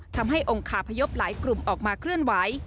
ทำให้องค์คาพยพหลายกลุ่มออกมาเคลื่อนไหว